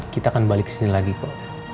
kita akan balik kesini lagi kok